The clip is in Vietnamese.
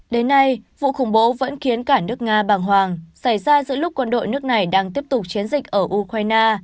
đến nay vụ khủng bố vẫn khiến cả nước nga bàng hoàng xảy ra giữa lúc quân đội nước này đang tiếp tục chiến dịch ở ukraine